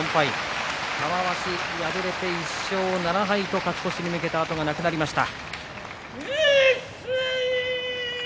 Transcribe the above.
玉鷲敗れて１勝７敗と勝ち越しに向けて後がなくなりました。